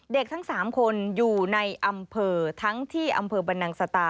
ทั้ง๓คนอยู่ในอำเภอทั้งที่อำเภอบรรนังสตา